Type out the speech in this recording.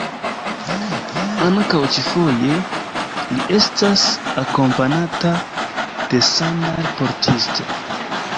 Ankaŭ ĉifoje, li estas akompanata de sandal-portisto.